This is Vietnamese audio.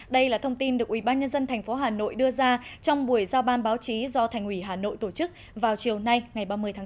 đây là thông tin được ubnd tp hà nội đưa ra trong buổi giao ban báo chí do thành ủy hà nội tổ chức vào chiều nay ngày ba mươi tháng bốn